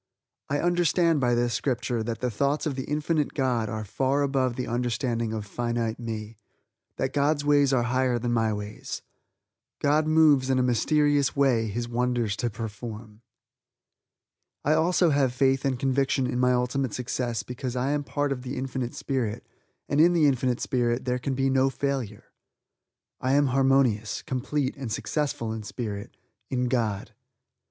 I understand by this Scripture that the thoughts of the Infinite God are far above the understanding of finite me; that God's ways are higher than my ways. "God moves in a mysterious way His wonders to perform." I also have faith and conviction in my ultimate success because I am a part of the Infinite Spirit, and in the Infinite Spirit, there can be no failure. I am harmonious, complete and successful in Spirit in God.